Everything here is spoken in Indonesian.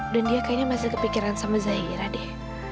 dan dia kayaknya masih kepikiran sama zahira deh